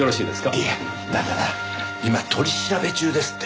いやだから今取り調べ中ですって。